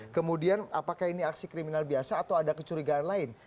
kemudian apakah ini aksi kriminal biasa atau ada kecurigaan lain